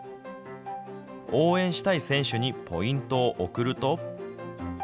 応援したい選手にポイントを贈ると。